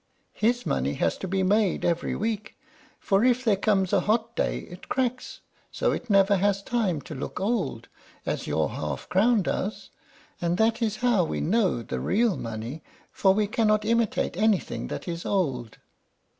His money has to be made every week, for if there comes a hot day it cracks, so it never has time to look old, as your half crown does; and that is how we know the real money, for we cannot imitate anything that is old.